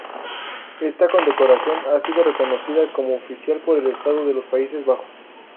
Esta condecoración ha sido reconocida como oficial por el Estado de los Países Bajos.